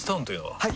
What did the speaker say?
はい！